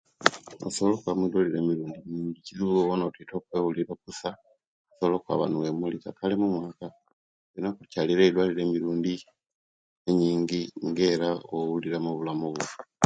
Osobola okwaba mwidwaliro emirund mingi kizibu owowona nti tokwebulila okusa osomobala okwaba niwemulikisia kale mumwaka oliina okukyalira eidwaliro emirundi enyingi enga era owobuliramu obulamu bwo